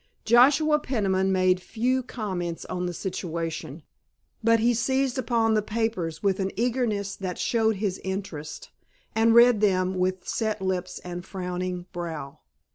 Joshua Peniman made few comments on the situation, but he seized upon the papers with an eagerness that showed his interest, and read them with set lips and frowning brow.